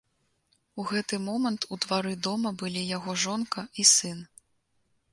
У гэты момант у двары дома былі яго жонка і сын.